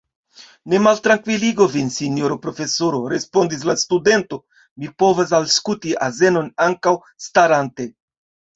Ne maltrankviligu vin, sinjoro profesoro, respondis la studento, mi povas aŭskulti azenon ankaŭ starante.